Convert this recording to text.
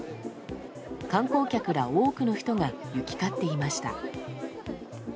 観光客ら多くの人が行き交っていました。